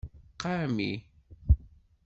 Qami.